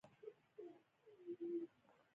کړپ شو.